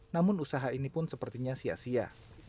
namun usaha ini pun sepertinya sia sia